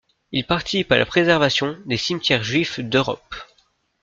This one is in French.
Il participe à la préservation des cimetières juifs d'Europe.